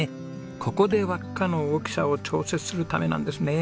ここで輪っかの大きさを調節するためなんですね。